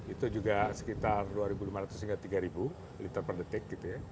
itu juga sekitar dua ribu lima ratus hingga tiga ribu liter per detik gitu ya